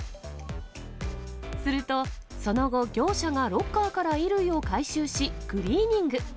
すると、その後業者がロッカーから衣類を回収し、クリーニング。